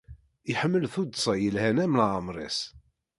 Iḥemmel tuddsa yelhan am leɛmer-is.